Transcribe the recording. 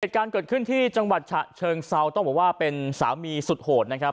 การเกิดขึ้นที่จังหวัดฉะเชิงเซาต้องบอกว่าเป็นสามีสุดโหดนะครับ